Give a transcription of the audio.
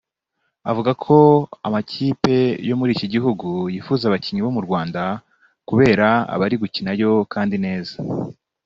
avuga ko amakipe yo muri iki gihugu yifuza abakinnyi bo mu Rwanda kubera abari gukinayo kandi neza